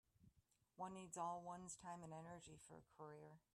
One needs all one's time and energy for a career.